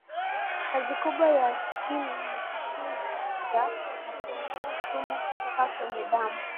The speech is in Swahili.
kazi kubwa ya ini ni kuchuja na kuondoa sumu kutoka kwenye damu